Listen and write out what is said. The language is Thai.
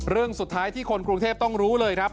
เรื่องสุดท้ายที่คนกรุงเทพต้องรู้เลยครับ